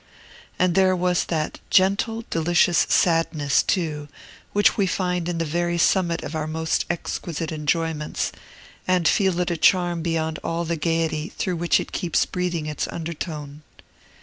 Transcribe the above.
And there was that gentle, delicious sadness, too, which we find in the very summit of our most exquisite enjoyments, and feel it a charm beyond all the gayety through which it keeps breathing its undertone.